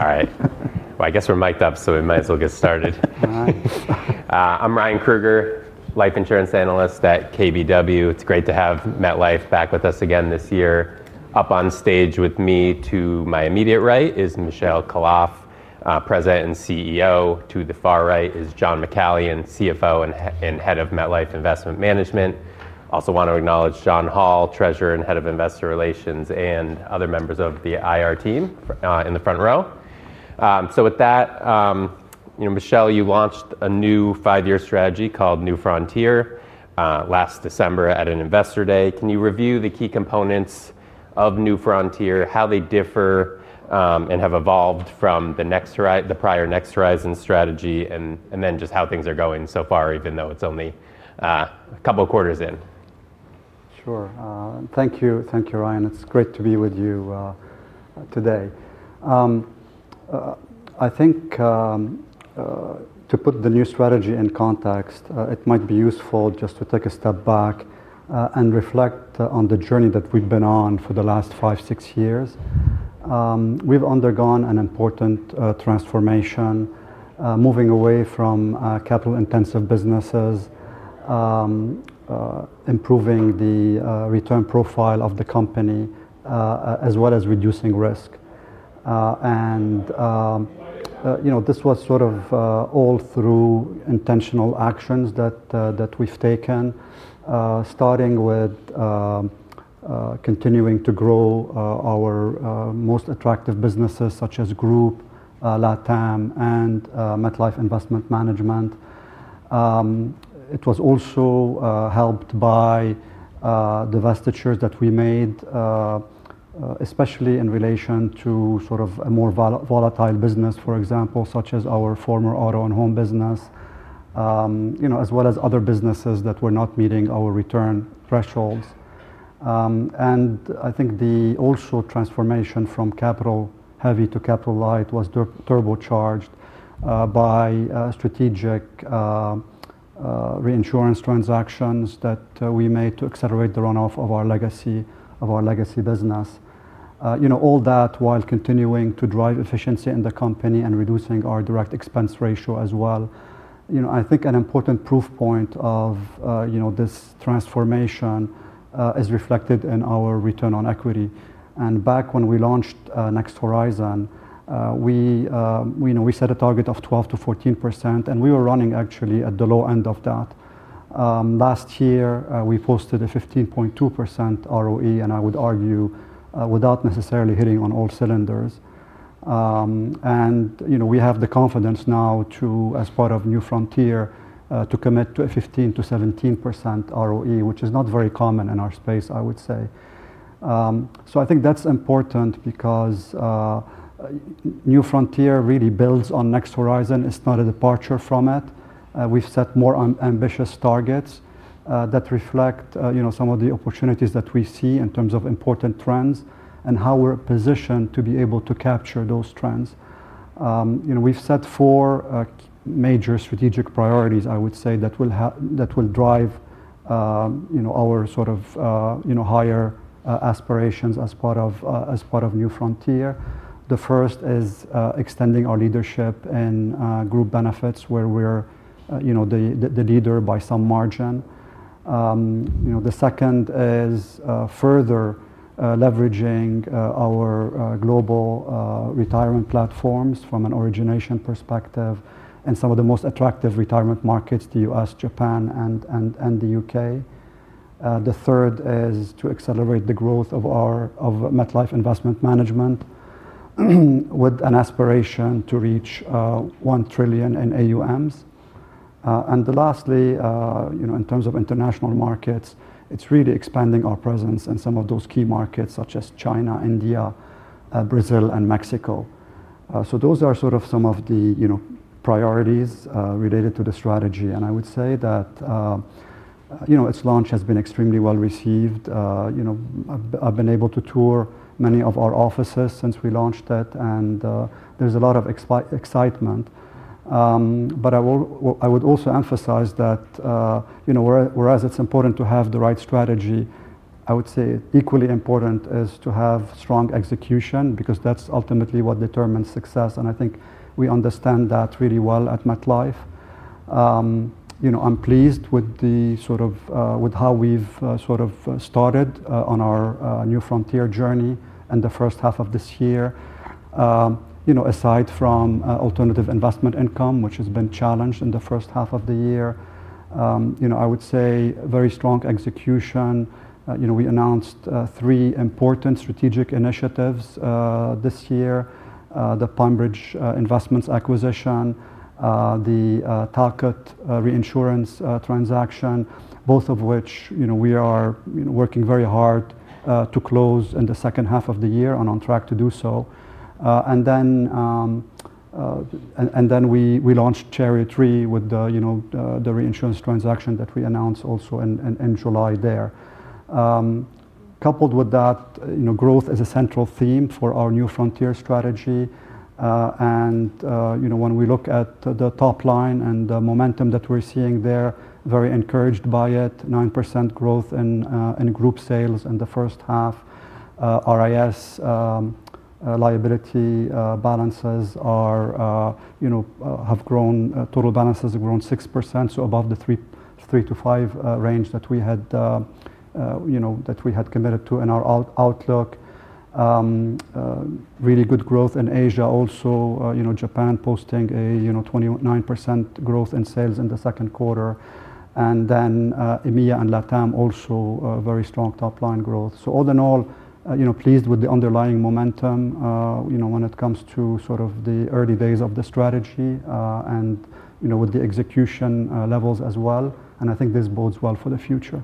All right. Well, I guess we're mic'd up, so we might as well get started. All right. I'm Ryan Krueger, Life Insurance Analyst at KBW. It's great to have MetLife back with us again this year. Up on stage with me to my immediate right is Michel Khalaf, President and CEO. To the far right is John McCallion, CFO and Head of MetLife Investment Management. Also want to acknowledge John Hall, Treasurer and Head of Investor Relations, and other members of the IR team in the front row. So with that, Michel, you launched a new five-year strategy called New Frontier last December at an Investor Day. Can you review the key components of New Frontier, how they differ and have evolved from the prior Next Horizon strategy, and then just how things are going so far, even though it's only a couple of quarters in? Sure. Thank you, Ryan. It's great to be with you today. I think to put the new strategy in context, it might be useful just to take a step back and reflect on the journey that we've been on for the last five, six years. We've undergone an important transformation, moving away from capital-intensive businesses, improving the return profile of the company, as well as reducing risk. This was sort of all through intentional actions that we've taken, starting with continuing to grow our most attractive businesses, such as Group, LATAM, and MetLife Investment Management. It was also helped by the divestitures that we made, especially in relation to sort of a more volatile business, for example, such as Auto & Home business, as well as other businesses that were not meeting our return thresholds. I think the transformation also from capital-heavy to capital-light was turbocharged by strategic reinsurance transactions that we made to accelerate the runoff of our legacy business. All that while continuing to drive efficiency in the company and reducing our direct expense ratio as well. I think an important proof point of this transformation is reflected in our return on equity. Back when we launched Next Horizon, we set a target of 12%-14%, and we were running actually at the low end of that. Last year, we posted a 15.2% ROE, and I would argue without necessarily hitting on all cylinders. We have the confidence now, as part of New Frontier, to commit to a 15%-17% ROE, which is not very common in our space, I would say. I think that's important because New Frontier really builds on Next Horizon. It's not a departure from it. We've set more ambitious targets that reflect some of the opportunities that we see in terms of important trends and how we're positioned to be able to capture those trends. We've set four major strategic priorities, I would say, that will drive our sort of higher aspirations as part of New Frontier. The first is extending our leadership in Group Benefits, where we're the leader by some margin. The second is further leveraging our global retirement platforms from an origination perspective and some of the most attractive retirement markets, the U.S., Japan, and the U.K. The third is to accelerate the growth of MetLife Investment Management with an aspiration to reach 1 trillion in AUMs. And lastly, in terms of international markets, it's really expanding our presence in some of those key markets, such as China, India, Brazil, and Mexico. So those are sort of some of the priorities related to the strategy. And I would say that its launch has been extremely well received. I've been able to tour many of our offices since we launched it, and there's a lot of excitement. But I would also emphasize that whereas it's important to have the right strategy, I would say equally important is to have strong execution, because that's ultimately what determines success. And I think we understand that really well at MetLife. I'm pleased with how we've sort of started on our New Frontier journey in the first half of this year. Aside from alternative investment income, which has been challenged in the first half of the year, I would say very strong execution. We announced three important strategic initiatives this year: the PineBridge Investments acquisition, the Talcott reinsurance transaction, both of which we are working very hard to close in the second half of the year and on track to do so. Then we launched Chariot Re with the reinsurance transaction that we announced also in July there. Coupled with that, growth is a central theme for our New Frontier strategy. When we look at the top line and the momentum that we're seeing there, very encouraged by it, 9% growth in group sales in the first half. RIS liability balances have grown, total balances have grown 6%, so above the 3%-5% range that we had committed to in our outlook. Really good growth in Asia also, Japan posting a 29% growth in sales in the second quarter. And then, EMEA and LATAM also very strong top line growth. So all in all, pleased with the underlying momentum when it comes to sort of the early days of the strategy and with the execution levels as well. And I think this bodes well for the future.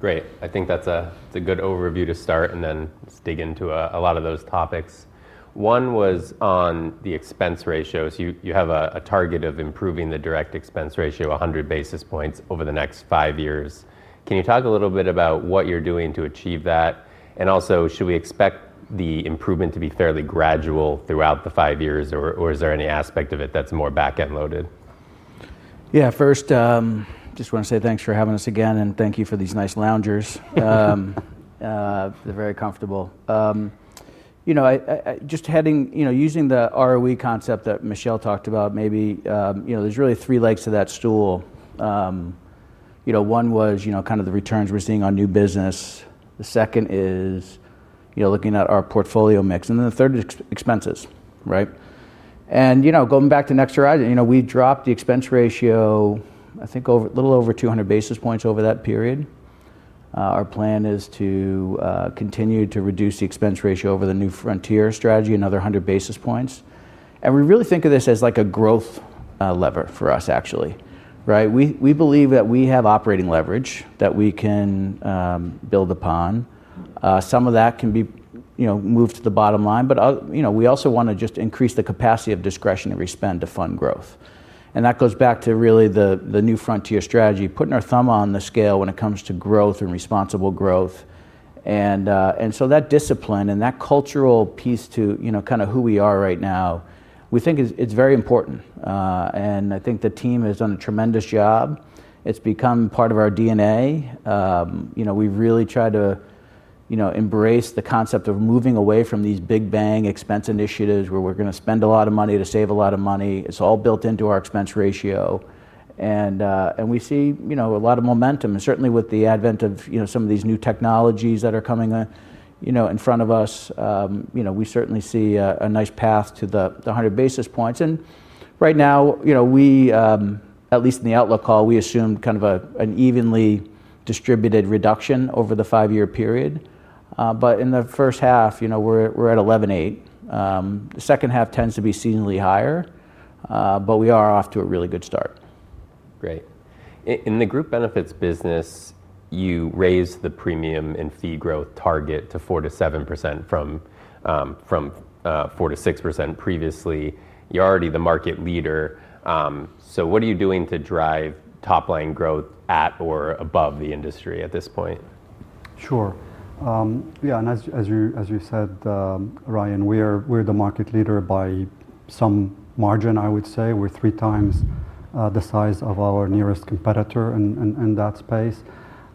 Great. I think that's a good overview to start and then dig into a lot of those topics. One was on the expense ratio. So you have a target of improving the direct expense ratio 100 basis points over the next five years. Can you talk a little bit about what you're doing to achieve that? And also, should we expect the improvement to be fairly gradual throughout the five years, or is there any aspect of it that's more back-end loaded? Yeah, first, I just want to say thanks for having us again, and thank you for these nice loungers. They're very comfortable. Just using the ROE concept that Michel talked about, maybe there's really three legs to that stool. One was kind of the returns we're seeing on new business. The second is looking at our portfolio mix, and then the third is expenses, and going back to Next Horizon, we dropped the expense ratio, I think, a little over 200 basis points over that period. Our plan is to continue to reduce the expense ratio over the New Frontier strategy, another 100 basis points, and we really think of this as like a growth lever for us, actually. We believe that we have operating leverage that we can build upon. Some of that can be moved to the bottom line, but we also want to just increase the capacity of discretionary spend to fund growth. And that goes back to really the New Frontier strategy, putting our thumb on the scale when it comes to growth and responsible growth. And so that discipline and that cultural piece to kind of who we are right now, we think it's very important. And I think the team has done a tremendous job. It's become part of our DNA. We really try to embrace the concept of moving away from these big bang expense initiatives where we're going to spend a lot of money to save a lot of money. It's all built into our expense ratio. And we see a lot of momentum. And certainly with the advent of some of these new technologies that are coming in front of us, we certainly see a nice path to the 100 basis points. And right now, at least in the outlook call, we assume kind of an evenly distributed reduction over the five-year period. But in the first half, we're at 11.8%. The second half tends to be seasonally higher, but we are off to a really good start. Great. In the Group Benefits business, you raised the premium and fee growth target to 4%-7% from 4%-6% previously. You're already the market leader. So what are you doing to drive top line growth at or above the industry at this point? Sure. Yeah, and as you said, Ryan, we're the market leader by some margin, I would say. We're three times the size of our nearest competitor in that space.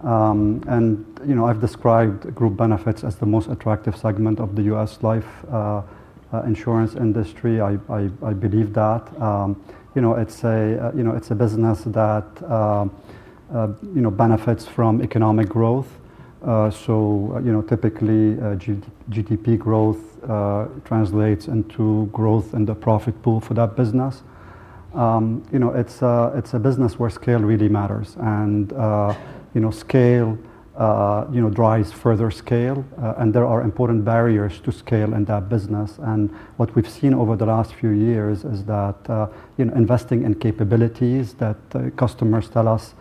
And I've described Group Benefits as the most attractive segment of the U.S. life insurance industry. I believe that. It's a business that benefits from economic growth. So typically, GDP growth translates into growth in the profit pool for that business. It's a business where scale really matters. And scale drives further scale. And there are important barriers to scale in that business. And what we've seen over the last few years is that investing in capabilities that customers tell us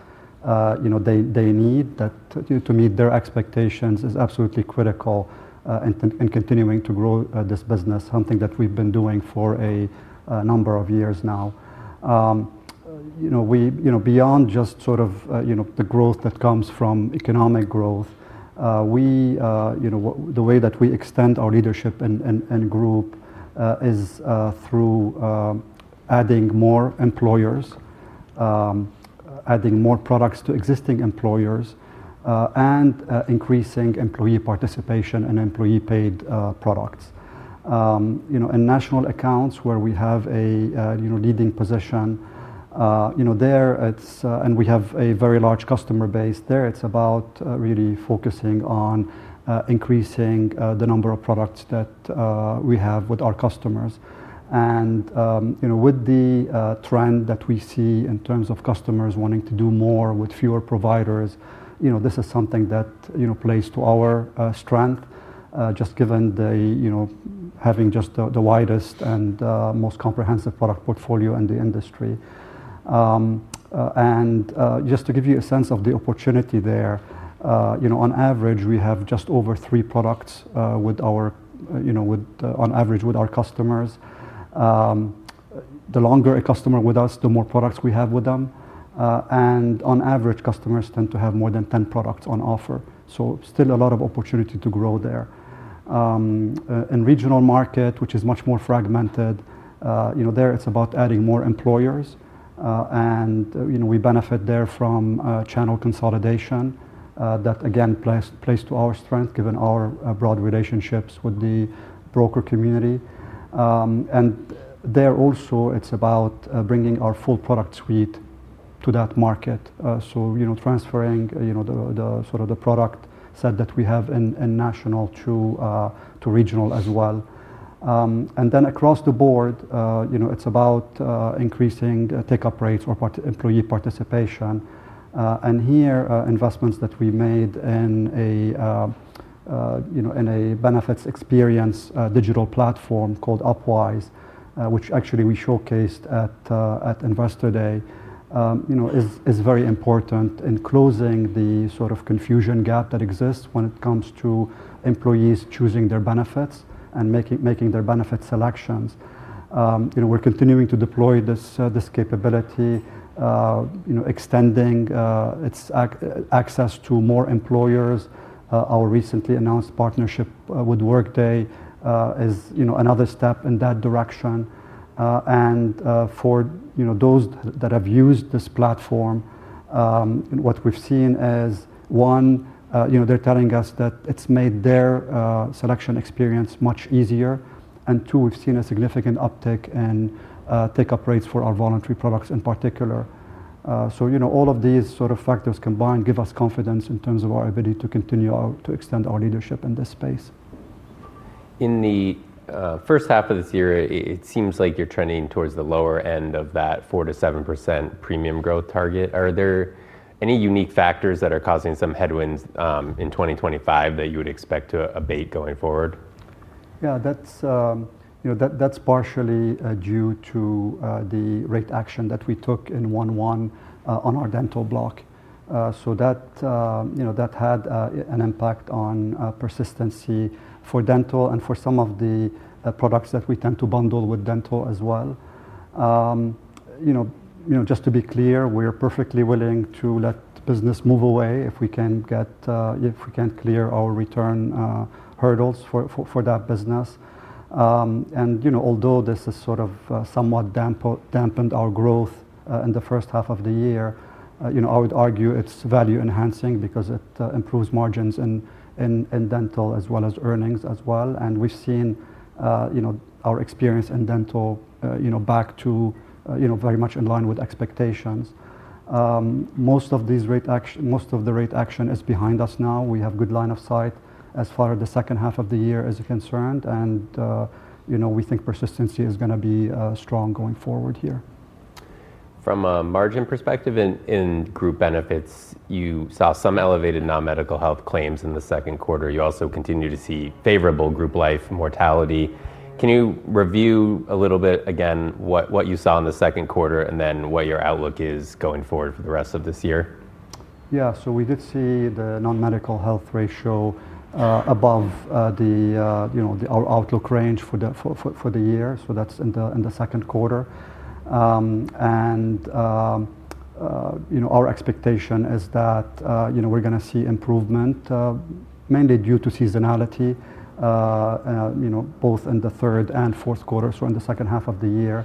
they need to meet their expectations is absolutely critical in continuing to grow this business, something that we've been doing for a number of years now. Beyond just sort of the growth that comes from economic growth, the way that we extend our leadership in group is through adding more employers, adding more products to existing employers, and increasing employee participation in employee-paid products. In national accounts, where we have a leading position there, and we have a very large customer base there, it's about really focusing on increasing the number of products that we have with our customers. And with the trend that we see in terms of customers wanting to do more with fewer providers, this is something that plays to our strength, just given having just the widest and most comprehensive product portfolio in the industry. And just to give you a sense of the opportunity there, on average, we have just over three products on average with our customers. The longer a customer with us, the more products we have with them. On average, customers tend to have more than 10 products on offer. Still a lot of opportunity to grow there. In regional market, which is much more fragmented, there it's about adding more employers. We benefit there from channel consolidation that, again, plays to our strength, given our broad relationships with the broker community. There also, it's about bringing our full product suite to that market. Transferring sort of the product set that we have in national to regional as well. Across the board, it's about increasing take-up rates or employee participation. Here, investments that we made in a benefits experience digital platform called Upwise, which actually we showcased at Investor Day, is very important in closing the sort of confusion gap that exists when it comes to employees choosing their benefits and making their benefit selections. We're continuing to deploy this capability, extending its access to more employers. Our recently announced partnership with Workday is another step in that direction, and for those that have used this platform, what we've seen is, one, they're telling us that it's made their selection experience much easier, and two, we've seen a significant uptick in take-up rates for our voluntary products in particular, so all of these sort of factors combined give us confidence in terms of our ability to continue to extend our leadership in this space. In the first half of this year, it seems like you're trending towards the lower end of that 4%-7% premium growth target. Are there any unique factors that are causing some headwinds in 2025 that you would expect to abate going forward? Yeah, that's partially due to the rate action that we took in 2011 on our dental block. So that had an impact on persistency for dental and for some of the products that we tend to bundle with dental as well. Just to be clear, we're perfectly willing to let business move away if we can't clear our return hurdles for that business. And although this has sort of somewhat dampened our growth in the first half of the year, I would argue it's value-enhancing because it improves margins in dental as well as earnings as well. And we've seen our experience in dental back to very much in line with expectations. Most of the rate action is behind us now. We have good line of sight as far as the second half of the year is concerned. And we think persistency is going to be strong going forward here. From a margin perspective in Group Benefits, you saw some elevated non-medical health claims in the second quarter. You also continue to see favorable group life mortality. Can you review a little bit again what you saw in the second quarter and then what your outlook is going forward for the rest of this year? Yeah, so we did see the non-medical health ratio above our outlook range for the year. So that's in the second quarter. And our expectation is that we're going to see improvement, mainly due to seasonality, both in the third and fourth quarter, so in the second half of the year.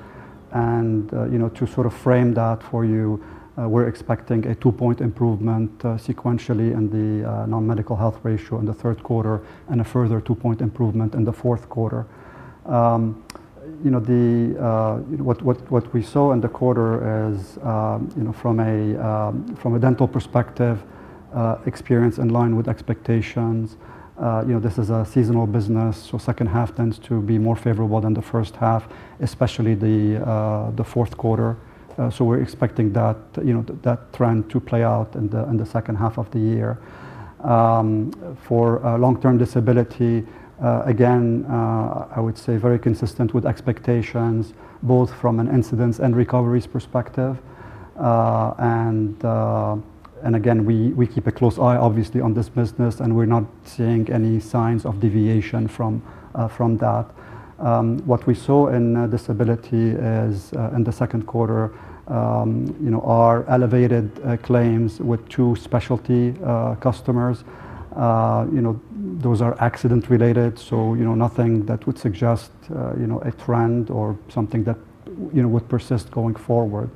And to sort of frame that for you, we're expecting a two-point improvement sequentially in the non-medical health ratio in the third quarter and a further two-point improvement in the fourth quarter. What we saw in the quarter is, from a dental perspective, experience in line with expectations. This is a seasonal business, so second half tends to be more favorable than the first half, especially the fourth quarter. So we're expecting that trend to play out in the second half of the year. For long-term disability, again, I would say very consistent with expectations, both from an incidence and recovery perspective. And again, we keep a close eye, obviously, on this business, and we're not seeing any signs of deviation from that. What we saw in disability is, in the second quarter, our elevated claims with two specialty customers. Those are accident-related, so nothing that would suggest a trend or something that would persist going forward.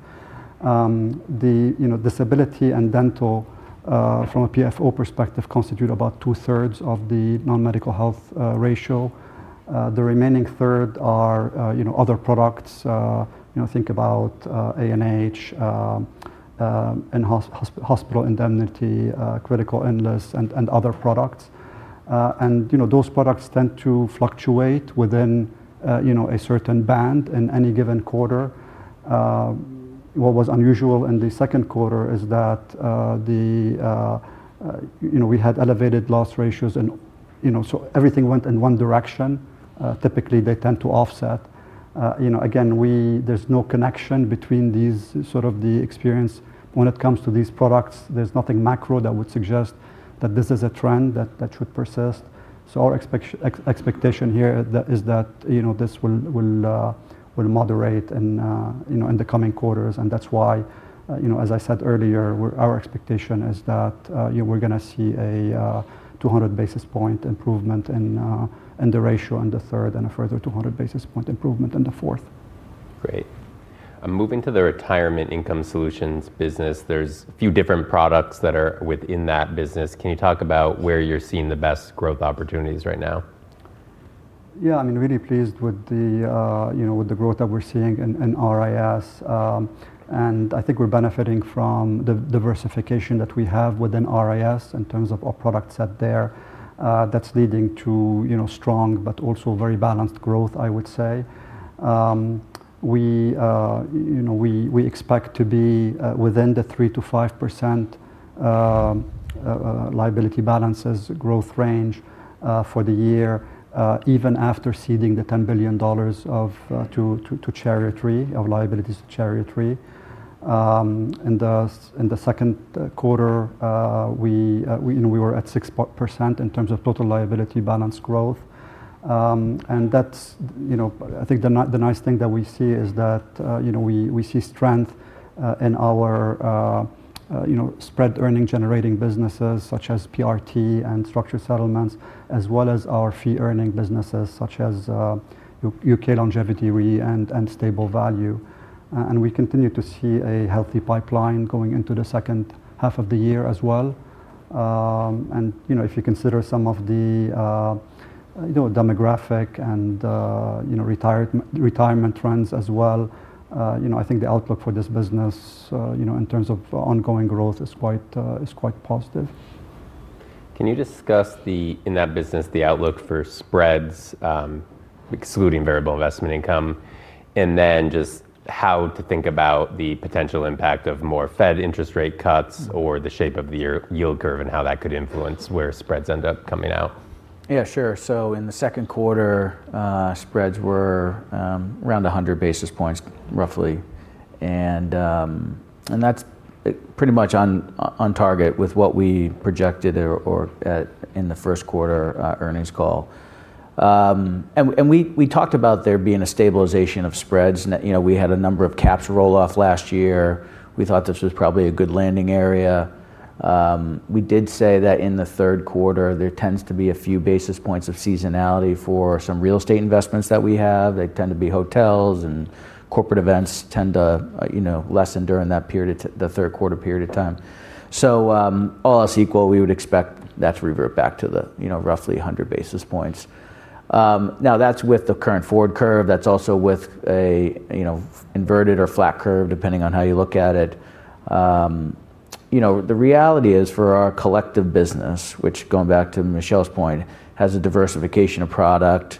The disability and dental, from a PFO perspective, constitute about 2/3 of the non-medical health ratio. The remaining third are other products. Think about A&H and hospital indemnity, critical illness, and other products. And those products tend to fluctuate within a certain band in any given quarter. What was unusual in the second quarter is that we had elevated loss ratios, and so everything went in one direction. Typically, they tend to offset. Again, there's no connection between these sort of the experience when it comes to these products. There's nothing macro that would suggest that this is a trend that should persist. So our expectation here is that this will moderate in the coming quarters. And that's why, as I said earlier, our expectation is that we're going to see a 200 basis points improvement in the ratio in the third and a further 200 basis points improvement in the fourth. Great. Moving to the Retirement & Income Solutions business, there's a few different products that are within that business. Can you talk about where you're seeing the best growth opportunities right now? Yeah, I'm really pleased with the growth that we're seeing in RIS. And I think we're benefiting from the diversification that we have within RIS in terms of our product set there. That's leading to strong but also very balanced growth, I would say. We expect to be within the 3%-5% liability balances growth range for the year, even after ceding the $10 billion to liabilities to Chariot Re. In the second quarter, we were at 6% in terms of total liability balance growth. And I think the nice thing that we see is that we see strength in our spread earning generating businesses such as PRT and structured settlements, as well as our fee earning businesses such as U.K. Longevity Re and stable value. And we continue to see a healthy pipeline going into the second half of the year as well. If you consider some of the demographic and retirement trends as well, I think the outlook for this business in terms of ongoing growth is quite positive. Can you discuss in that business the outlook for spreads, excluding variable investment income, and then just how to think about the potential impact of more Fed interest rate cuts or the shape of the yield curve and how that could influence where spreads end up coming out? Yeah, sure. So in the second quarter, spreads were around 100 basis points, roughly. And that's pretty much on target with what we projected in the first quarter earnings call. And we talked about there being a stabilization of spreads. We had a number of caps roll off last year. We thought this was probably a good landing area. We did say that in the third quarter, there tends to be a few basis points of seasonality for some real estate investments that we have. They tend to be hotels, and corporate events tend to lessen during that third quarter period of time. So all else equal, we would expect that to revert back to the roughly 100 basis points. Now, that's with the current forward curve. That's also with an inverted or flat curve, depending on how you look at it. The reality is for our collective business, which, going back to Michel's point, has a diversification of product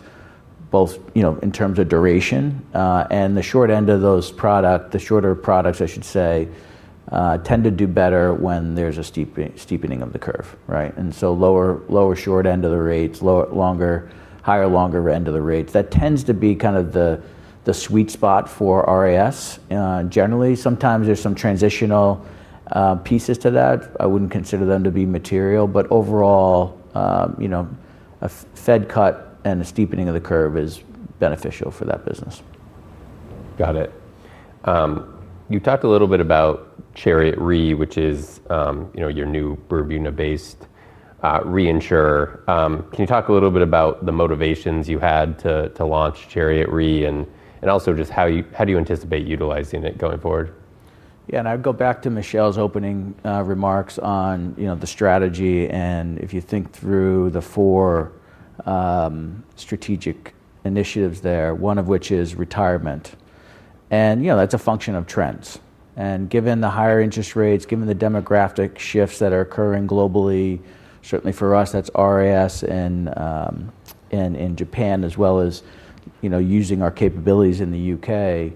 both in terms of duration, and the short end of those products, the shorter products, I should say, tend to do better when there's a steepening of the curve, right, and so lower short end of the rates, higher longer end of the rates. That tends to be kind of the sweet spot for RIS generally. Sometimes there's some transitional pieces to that. I wouldn't consider them to be material, but overall, a Fed cut and a steepening of the curve is beneficial for that business. Got it. You talked a little bit about Chariot Re, which is your new Bermuda-based reinsurer. Can you talk a little bit about the motivations you had to launch Chariot Re and also just how do you anticipate utilizing it going forward? Yeah, and I'd go back to Michel's opening remarks on the strategy. And if you think through the four strategic initiatives there, one of which is retirement. And that's a function of trends. And given the higher interest rates, given the demographic shifts that are occurring globally, certainly for us, that's RIS in Japan, as well as using our capabilities in the U.K.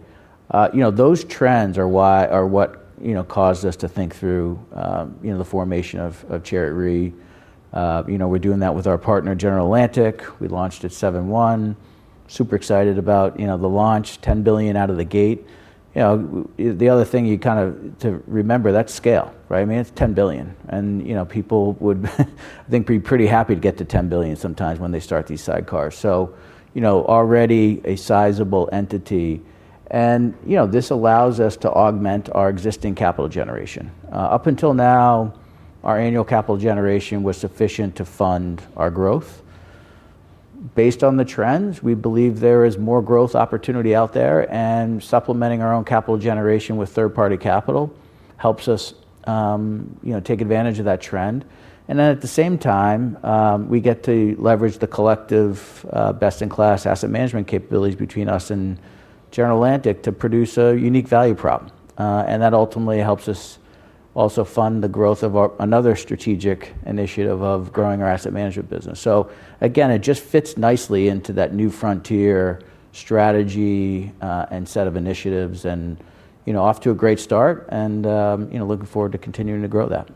Those trends are what caused us to think through the formation of Chariot Re. We're doing that with our partner, General Atlantic. We launched at 2021. Super excited about the launch, $10 billion out of the gate. The other thing you kind of to remember, that's scale, right? I mean, it's $10 billion. And people would, I think, be pretty happy to get to $10 billion sometimes when they start these sidecars. So already a sizable entity. And this allows us to augment our existing capital generation. Up until now, our annual capital generation was sufficient to fund our growth. Based on the trends, we believe there is more growth opportunity out there, and supplementing our own capital generation with third-party capital helps us take advantage of that trend, and then at the same time, we get to leverage the collective best-in-class asset management capabilities between us and General Atlantic to produce a unique value prop, and that ultimately helps us also fund the growth of another strategic initiative of growing our asset management business, so again, it just fits nicely into that New Frontier strategy and set of initiatives and off to a great start, and looking forward to continuing to grow that.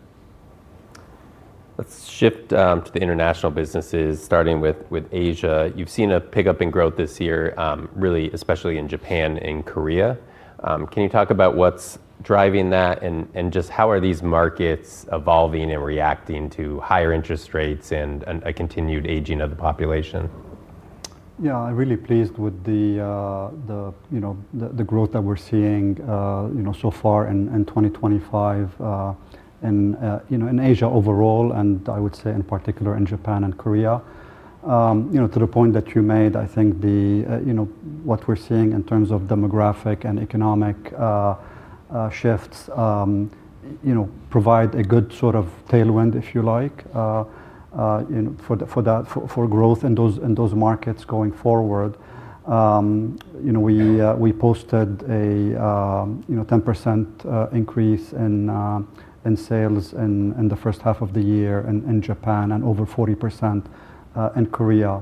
Let's shift to the international businesses, starting with Asia. You've seen a pickup in growth this year, really, especially in Japan and Korea. Can you talk about what's driving that and just how are these markets evolving and reacting to higher interest rates and a continued aging of the population? Yeah, I'm really pleased with the growth that we're seeing so far in 2025 in Asia overall, and I would say in particular in Japan and Korea. To the point that you made, I think what we're seeing in terms of demographic and economic shifts provide a good sort of tailwind, if you like, for growth in those markets going forward. We posted a 10% increase in sales in the first half of the year in Japan and over 40% in Korea.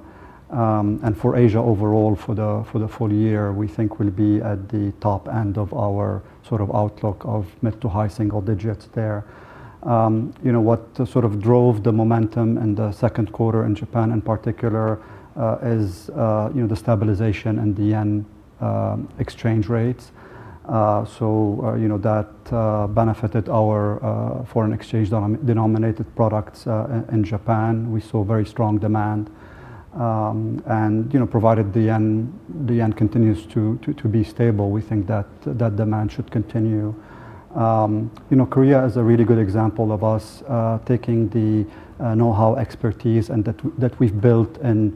And for Asia overall, for the full year, we think we'll be at the top end of our sort of outlook of mid- to high-single digits there. What sort of drove the momentum in the second quarter in Japan in particular is the stabilization in the yen exchange rates. So that benefited our foreign exchange denominated products in Japan. We saw very strong demand. Provided the yen continues to be stable, we think that demand should continue. Korea is a really good example of us taking the know-how, expertise that we've built in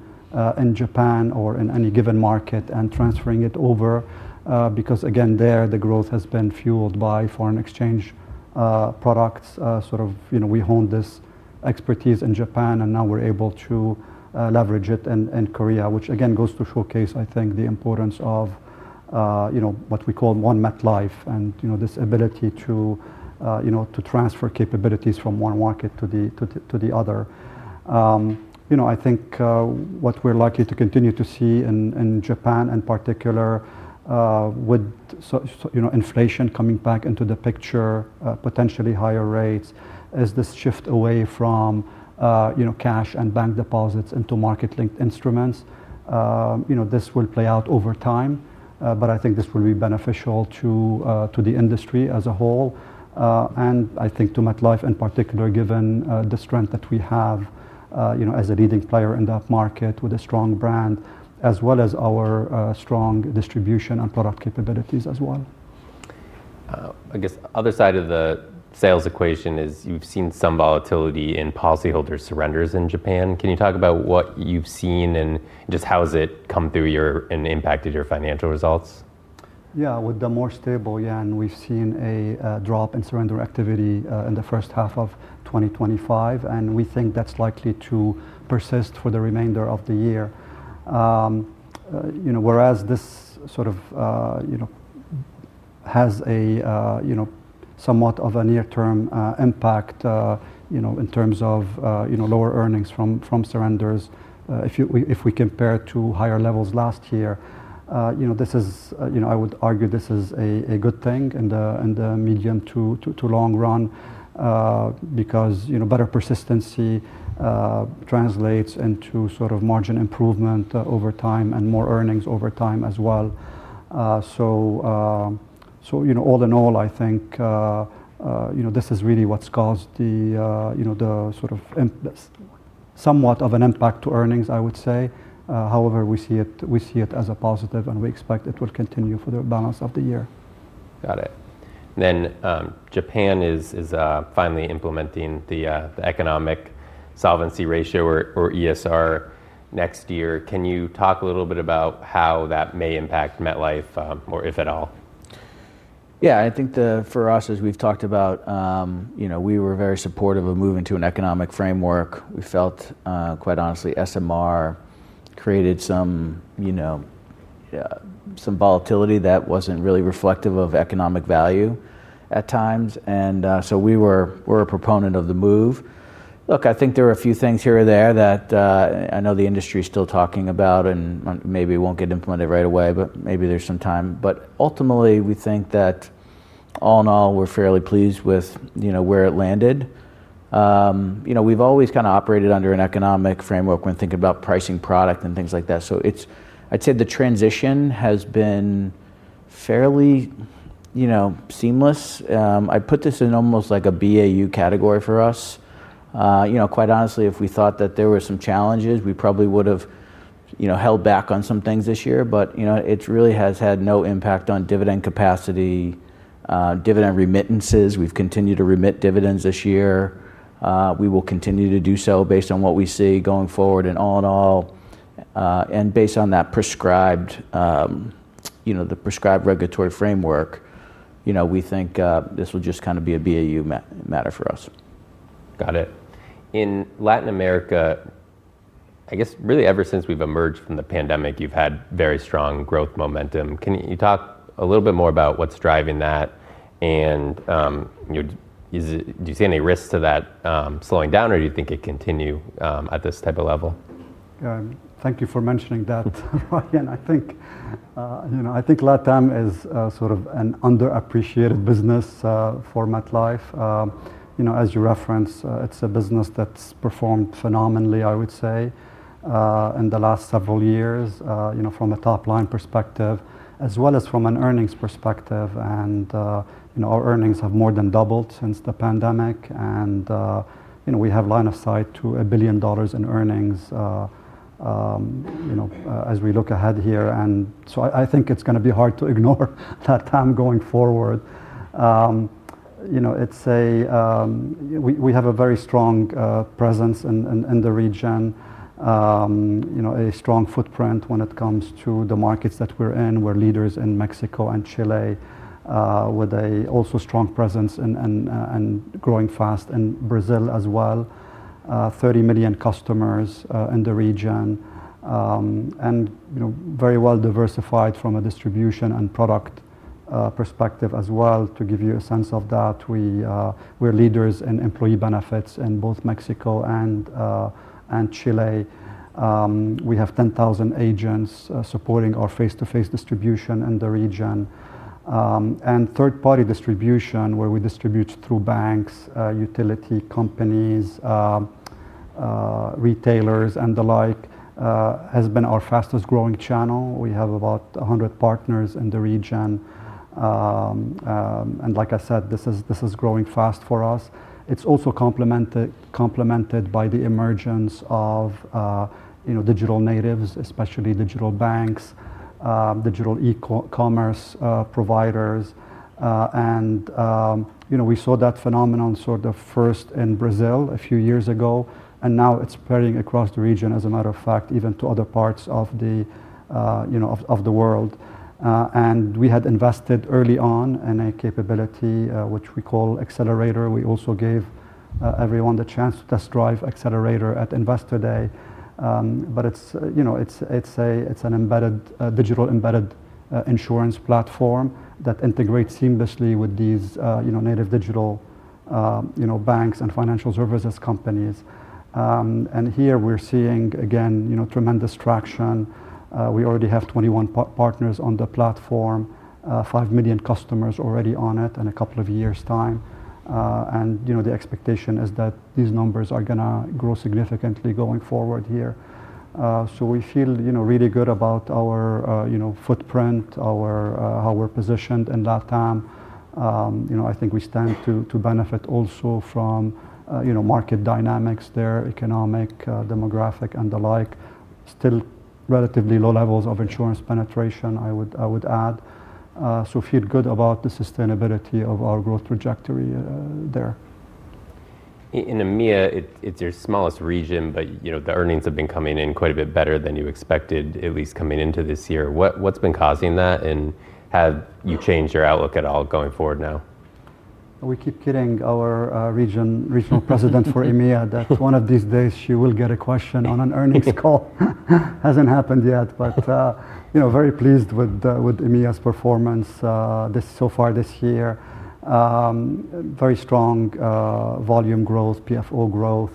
Japan or in any given market and transferring it over. Because again, there, the growth has been fueled by foreign exchange products. Sort of we honed this expertise in Japan, and now we're able to leverage it in Korea, which again goes to showcase, I think, the importance of what we call one MetLife and this ability to transfer capabilities from one market to the other. I think what we're likely to continue to see in Japan, in particular, with inflation coming back into the picture, potentially higher rates, is this shift away from cash and bank deposits into market-linked instruments. This will play out over time, but I think this will be beneficial to the industry as a whole, and I think to MetLife in particular, given the strength that we have as a leading player in that market with a strong brand, as well as our strong distribution and product capabilities as well. I guess the other side of the sales equation is you've seen some volatility in policyholder surrenders in Japan. Can you talk about what you've seen and just how has it come through and impacted your financial results? Yeah, with the more stable yen, we've seen a drop in surrender activity in the first half of 2025. And we think that's likely to persist for the remainder of the year. Whereas this sort of has a somewhat of a near-term impact in terms of lower earnings from surrenders. If we compare it to higher levels last year, this is, I would argue, this is a good thing in the medium to long run because better persistency translates into sort of margin improvement over time and more earnings over time as well. So all in all, I think this is really what's caused the sort of somewhat of an impact to earnings, I would say. However, we see it as a positive, and we expect it will continue for the balance of the year. Got it. Then Japan is finally implementing the Economic Solvency Ratio or ESR next year. Can you talk a little bit about how that may impact MetLife or if at all? Yeah, I think for us, as we've talked about, we were very supportive of moving to an economic framework. We felt, quite honestly, SMR created some volatility that wasn't really reflective of economic value at times. And so we were a proponent of the move. Look, I think there are a few things here or there that I know the industry is still talking about and maybe won't get implemented right away, but maybe there's some time. But ultimately, we think that all in all, we're fairly pleased with where it landed. We've always kind of operated under an economic framework when thinking about pricing product and things like that. So I'd say the transition has been fairly seamless. I put this in almost like a BAU category for us. Quite honestly, if we thought that there were some challenges, we probably would have held back on some things this year. But it really has had no impact on dividend capacity, dividend remittances. We've continued to remit dividends this year. We will continue to do so based on what we see going forward. And all in all, based on the prescribed regulatory framework, we think this will just kind of be a BAU matter for us. Got it. In Latin America, I guess really ever since we've emerged from the pandemic, you've had very strong growth momentum. Can you talk a little bit more about what's driving that? And do you see any risks to that slowing down, or do you think it can continue at this type of level? Thank you for mentioning that. Again, I think LATAM is sort of an underappreciated business for MetLife. As you referenced, it's a business that's performed phenomenally, I would say, in the last several years from a top-line perspective, as well as from an earnings perspective. And our earnings have more than doubled since the pandemic. And we have line of sight to $1 billion in earnings as we look ahead here. And so I think it's going to be hard to ignore LATAM going forward. We have a very strong presence in the region, a strong footprint when it comes to the markets that we're in. We're leaders in Mexico and Chile with also a strong presence and growing fast in Brazil as well. 30 million customers in the region and very well diversified from a distribution and product perspective as well. To give you a sense of that, we're leaders in employee benefits in both Mexico and Chile. We have 10,000 agents supporting our face-to-face distribution in the region, and third-party distribution, where we distribute through banks, utility companies, retailers, and the like, has been our fastest growing channel. We have about 100 partners in the region, and like I said, this is growing fast for us. It's also complemented by the emergence of digital natives, especially digital banks, digital e-commerce providers, and we saw that phenomenon sort of first in Brazil a few years ago, and now it's spreading across the region, as a matter of fact, even to other parts of the world, and we had invested early on in a capability which we call Accelerator. We also gave everyone the chance to test drive Accelerator at Investor Day. It's an embedded digital embedded insurance platform that integrates seamlessly with these native digital banks and financial services companies. Here we're seeing, again, tremendous traction. We already have 21 partners on the platform, five million customers already on it in a couple of years' time. The expectation is that these numbers are going to grow significantly going forward here. We feel really good about our footprint, how we're positioned in LATAM. I think we stand to benefit also from market dynamics there, economic, demographic, and the like. Still relatively low levels of insurance penetration, I would add. Feel good about the sustainability of our growth trajectory there. In EMEA, it's your smallest region, but the earnings have been coming in quite a bit better than you expected, at least coming into this year. What's been causing that? And have you changed your outlook at all going forward now? We keep kidding our regional president for EMEA that one of these days she will get a question on an earnings call. Hasn't happened yet, but very pleased with EMEA's performance so far this year. Very strong volume growth, PFO growth.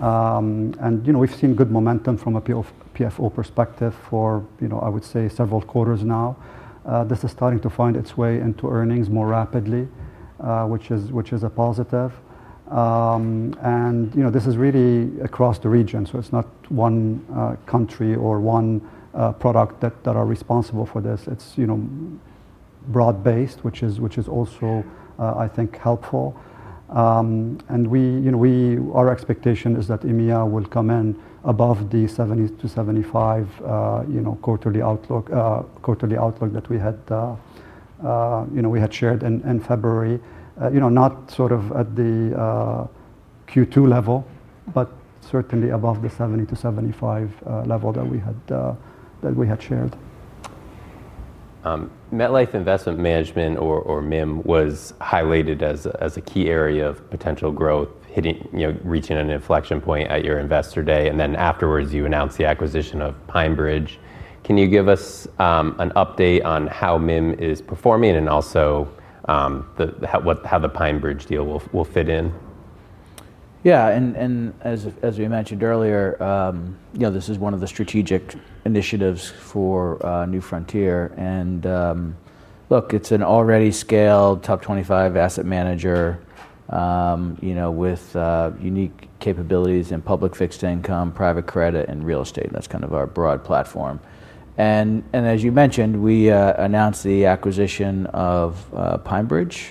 And we've seen good momentum from a PFO perspective for, I would say, several quarters now. This is starting to find its way into earnings more rapidly, which is a positive. And this is really across the region. So it's not one country or one product that are responsible for this. It's broad-based, which is also, I think, helpful. And our expectation is that EMEA will come in above the 70-75 quarterly outlook that we had shared in February, not sort of at the Q2 level, but certainly above the 70-75 level that we had shared. MetLife Investment Management, or MIM, was highlighted as a key area of potential growth, reaching an inflection point at your Investor Day, and then afterwards, you announced the acquisition of PineBridge. Can you give us an update on how MIM is performing and also how the PineBridge deal will fit in? Yeah. And as we mentioned earlier, this is one of the strategic initiatives for New Frontier. And look, it's an already scaled top 25 asset manager with unique capabilities in public fixed income, private credit, and real estate. That's kind of our broad platform. And as you mentioned, we announced the acquisition of PineBridge,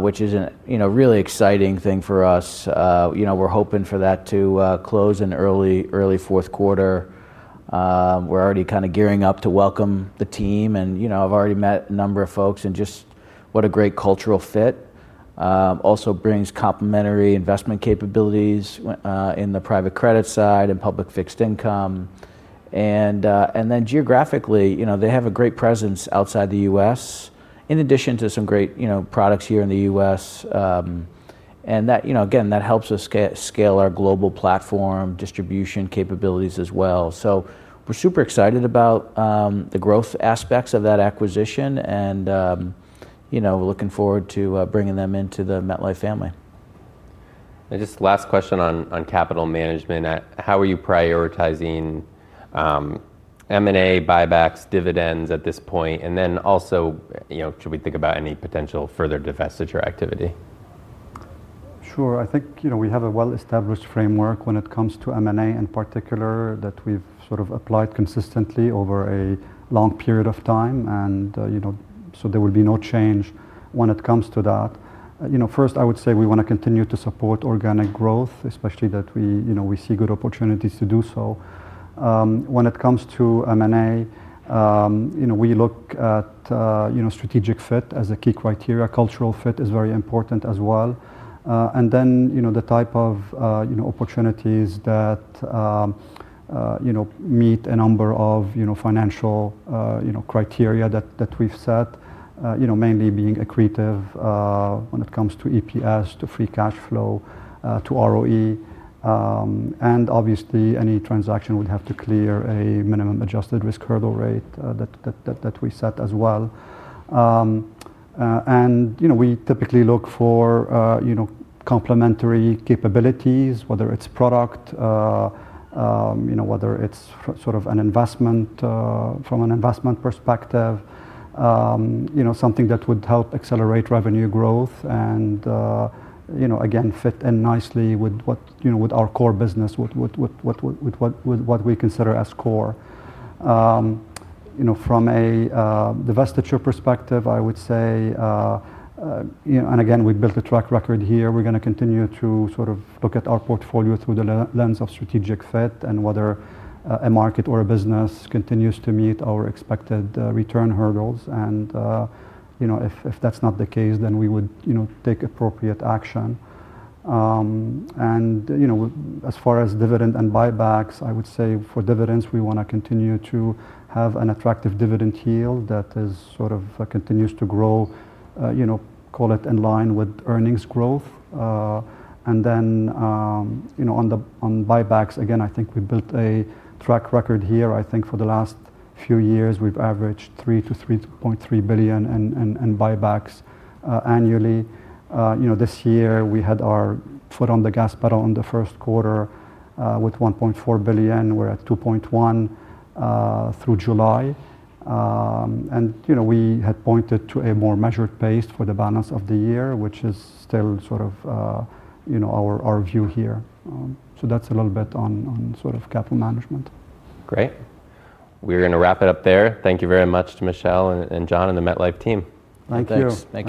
which is a really exciting thing for us. We're hoping for that to close in early fourth quarter. We're already kind of gearing up to welcome the team. And I've already met a number of folks, and just what a great cultural fit. Also brings complementary investment capabilities in the private credit side and public fixed income. And then geographically, they have a great presence outside the U.S., in addition to some great products here in the U.S. And again, that helps us scale our global platform distribution capabilities as well. So we're super excited about the growth aspects of that acquisition, and we're looking forward to bringing them into the MetLife family. Just last question on capital management. How are you prioritizing M&A, buybacks, dividends at this point? And then also, should we think about any potential further divestiture activity? Sure. I think we have a well-established framework when it comes to M&A in particular that we've sort of applied consistently over a long period of time. And so there will be no change when it comes to that. First, I would say we want to continue to support organic growth, especially that we see good opportunities to do so. When it comes to M&A, we look at strategic fit as a key criteria. Cultural fit is very important as well. And then the type of opportunities that meet a number of financial criteria that we've set, mainly being accretive when it comes to EPS, to free cash flow, to ROE. And obviously, any transaction would have to clear a minimum adjusted risk hurdle rate that we set as well. We typically look for complementary capabilities, whether it's product, whether it's sort of an investment from an investment perspective, something that would help accelerate revenue growth, and again, fit in nicely with our core business, with what we consider as core. From a divestiture perspective, I would say, and again, we've built a track record here. We're going to continue to sort of look at our portfolio through the lens of strategic fit and whether a market or a business continues to meet our expected return hurdles. If that's not the case, then we would take appropriate action. As far as dividend and buybacks, I would say for dividends, we want to continue to have an attractive dividend yield that sort of continues to grow, call it in line with earnings growth. On buybacks, again, I think we built a track record here. I think for the last few years, we've averaged $3-$3.3 billion in buybacks annually. This year, we had our foot on the gas pedal in the first quarter with $1.4 billion. We're at $2.1 through July, and we had pointed to a more measured pace for the balance of the year, which is still sort of our view here, so that's a little bit on sort of capital management. Great. We're going to wrap it up there. Thank you very much to Michel and John and the MetLife team. Thank you. Thanks.